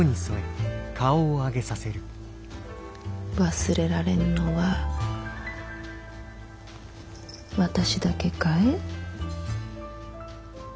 忘れられぬのは私だけかえ？